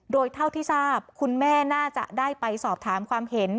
โดยเท่าที่ทราบคุณแม่น่าจะได้ไปสอบถามความเห็น